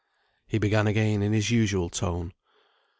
He began again in his usual tone.